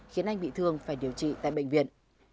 khiến anh bị thương phải điều trị tại bệnh viện